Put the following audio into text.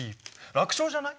楽勝じゃない？